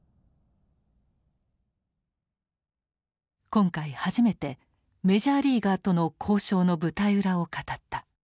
今回初めてメジャーリーガーとの交渉の舞台裏を語った。